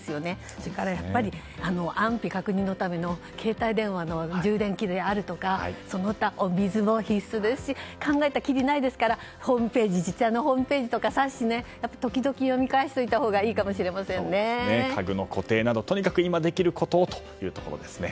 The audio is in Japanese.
それから、安否確認のための携帯電話の充電器であるとかその他、お水も必須ですし考えたらきりがないですから自治体のホームページや冊子を時折読み返しておくと家具の固定などとにかく今できることをというところですね。